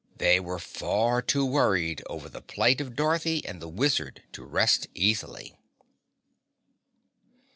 They were far too worried over the plight of Dorothy and the Wizard to rest easily.